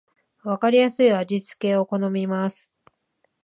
わかりやすい味付けを好みます